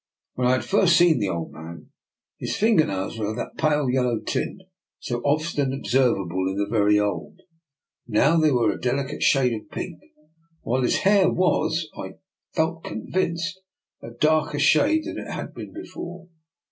When I had first seen the old man, his finger nails were of that pale yellow tint so often observable in the very old, now they were a delicate shade of pink ; while his hair was, I felt convinced, a darker shade DR. NIKOLA'S EXPERIMENT. 193 than it had been before.